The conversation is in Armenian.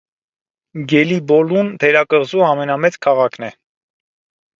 Գելիբոլուն թերակղզու ամենամեծ քաղաքն է։